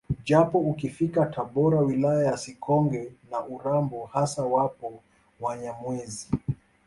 Japo ukifika Tabora wilaya ya Sikonge na Urambo hasa wapo Wanyamwezi